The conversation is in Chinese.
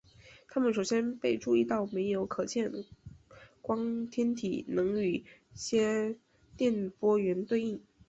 它们首先被注意到没有可见光天体能与些电波源对应。